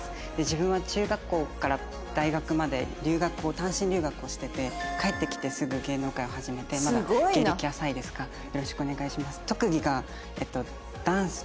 自分は中学校から大学まで単身留学をしてて帰ってきてすぐ芸能界を始めてまだ芸歴は浅いですがよろしくお願いします。